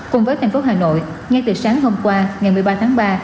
cùng với thành phố hà nội ngay từ sáng hôm qua ngày một mươi ba tháng ba